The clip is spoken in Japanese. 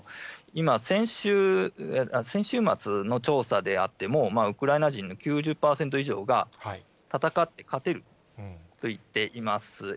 今、先週末の調査であっても、ウクライナ人の９０％以上が、戦って勝てると言っています。